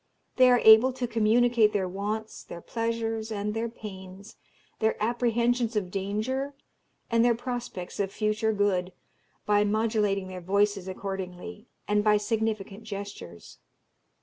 They are able to communicate their wants, their pleasures, and their pains, their apprehensions of danger, and their prospects of future good, by modulating their voices accordingly, and by significant gestures.